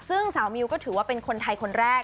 ซึ่งสาวมิวก็ถือว่าเป็นคนไทยคนแรก